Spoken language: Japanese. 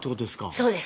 そうです。